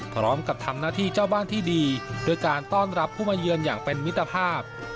พร้อมกับทำหน้าที่เจ้าบ้านที่ดีด้วยการต้อนรับผู้มาเยือนอย่างเป็นมิตรภาพ